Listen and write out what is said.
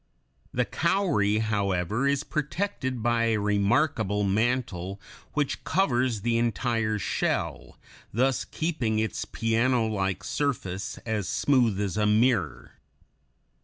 The cowry, however, is protected by a remarkable mantle which covers the entire shell, thus keeping its pianolike surface as smooth as a mirror.